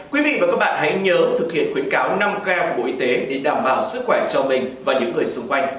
quý vị và các bạn hãy nhớ thực hiện khuyến cáo năm g của bộ y tế để đảm bảo sức khỏe cho mình và những người xung quanh